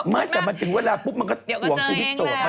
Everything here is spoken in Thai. ไม่แต่มันถึงเวลาปุ๊บมันก็ห่วงชีวิตส่วนมันถึงกันแล้วอืมเดี๋ยวก็เจอเองแหละ